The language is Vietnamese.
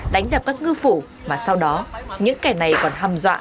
đánh đập các ngư phụ mà sau đó những kẻ này còn hăm dọa